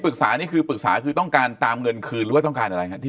ปรึกษานี่คือปรึกษาคือต้องการตามเงินคืนแล้วต้องการอะไรที่